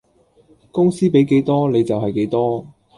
公司比幾多你就係幾多